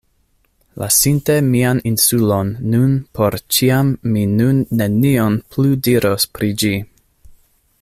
Lasinte mian insulon nun por ĉiam mi nun nenion plu diros pri ĝi.